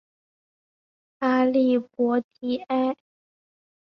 阿利博迪埃。